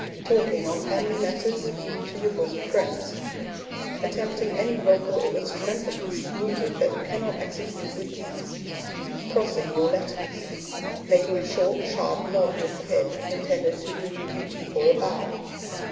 Talking on family matters, even to your bosom friends. Attempting any vocal or instrumental piece of music that you cannot execute with ease. Crossing your letters. Making a short, sharp nod with the head, intended to do duty for a bow.